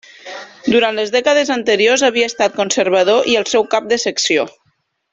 Durant les dècades anteriors havia estat conservador i el seu cap de secció.